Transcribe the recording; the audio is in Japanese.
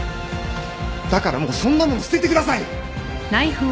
だからもうそんなもの捨ててください！